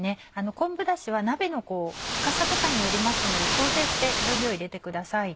昆布だしは鍋の深さとかによりますので調整して分量を入れてください。